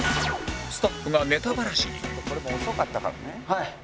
「これも遅かったからね」